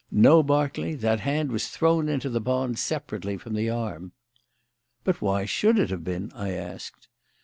No, Berkeley, that hand was thrown into the pond separately from the arm." "But why should it have been?" I asked.